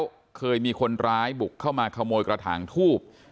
ข้ามว่าการเสียชีวิตในครั้งนี้มาจากสาเหตุใดค่ะข้ามว่าการเสียชีวิตในครั้งนี้มาจากสาเหตุใดค่ะ